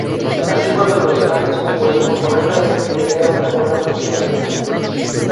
Así, cuando el personaje es compuesto correctamente genera una buena aproximación.